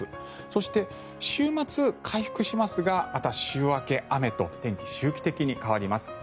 そして週末、回復しますがまた週明け、雨と天気、周期的に変わります。